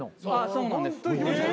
そうなんです。